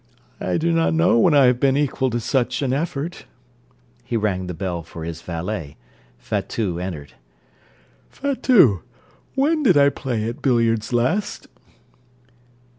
I do not know when I have been equal to such an effort. (He rang the bell for his valet. Fatout entered.) Fatout! when did I play at billiards last?